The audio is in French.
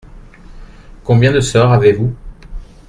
Combien de sœurs avez-vous ?